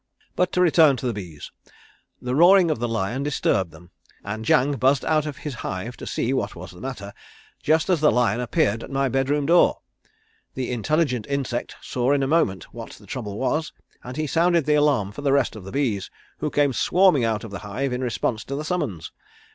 "But to return to the bees. The roaring of the lion disturbed them, and Jang buzzed out of his hive to see what was the matter just as the lion appeared at my bed room door. The intelligent insect saw in a moment what the trouble was, and he sounded the alarm for the rest of the bees, who came swarming out of the hive in response to the summons.